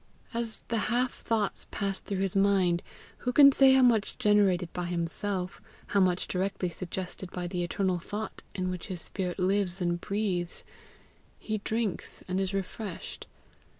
As the half thoughts pass through his mind who can say how much generated by himself, how much directly suggested by the eternal thought in which his spirit lives and breathes! he drinks and is refreshed.